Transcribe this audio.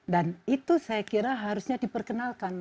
dan itu saya kira harusnya diperkenalkan